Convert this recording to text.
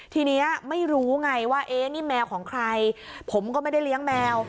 ทีนี้ไม่รู้ไงว่าเอ๊ะนี่แมวของใครผมก็ไม่ได้เลี้ยงแมว